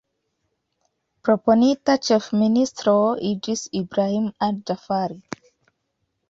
Proponita ĉefministro iĝis Ibrahim al-Ĝaafari.